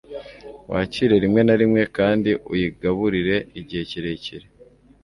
wakire rimwe na rimwe, kandi uyigaburire igihe kirekire